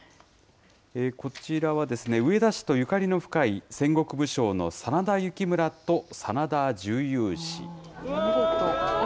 こちらは、上田市とゆかりの深い、戦国武将の真田幸村と真田十勇士。